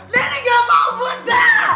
nenek gak mau buta